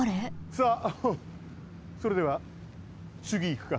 さあそれではつぎいくか。